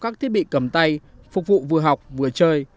các thiết bị cầm tay phục vụ vừa học vừa chơi